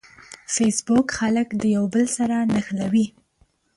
فېسبوک خلک د یوه بل سره نښلوي.